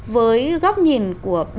với góc nhìn của